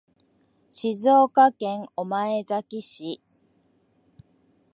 静岡県御前崎市